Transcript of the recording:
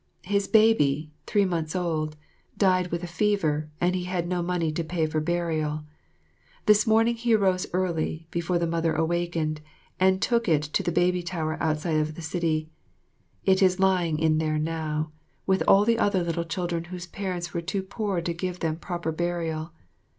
His baby, three months old, died with a fever and he had no money to pay for burial. This morning he arose early, before the mother awakened, and took it to the baby tower outside the city. It is lying in there now, with all the other little children whose parents were too poor to give them proper burial.